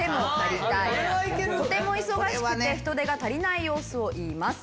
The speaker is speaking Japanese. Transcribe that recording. とても忙しくて人手が足りない様子を言います。